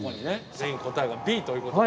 全員答えが「Ｂ」ということで。